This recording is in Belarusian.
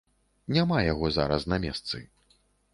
Няма яго зараз на месцы.